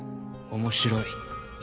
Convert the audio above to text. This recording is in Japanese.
面白い。